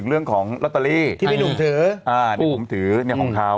เรื่องของลอตเตอรี่ที่พี่หนุ่มถืออ่านี่ผมถือเนี่ยของเขา